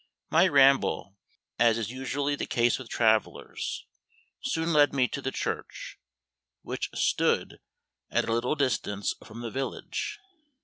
My ramble, as is usually the case with travellers, soon led me to the church, which stood at a little distance from the village.